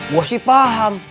gue sih paham